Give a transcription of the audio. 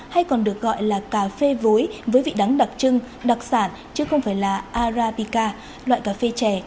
hay còn được gọi là cà phê vối với vị đắng đặc trưng đặc sản chứ không phải là arabica loại cà phê chè